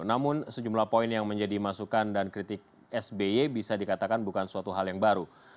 namun sejumlah poin yang menjadi masukan dan kritik sby bisa dikatakan bukan suatu hal yang baru